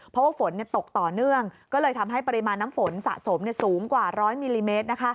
เพราะว่าฝนตกต่อเนื่องก็เลยทำให้ปริมาณน้ำฝนสะสมสูงกว่า๑๐๐มิลลิเมตร